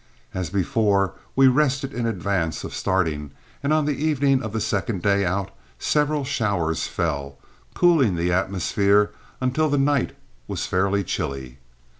As before, we rested in advance of starting, and on the evening of the second day out several showers fell, cooling the atmosphere until the night was fairly chilly.